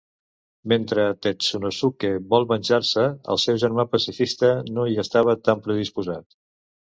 Mentre Tetsunosuke vol venjar-se, el seu germà pacifista no hi estava tan predisposat.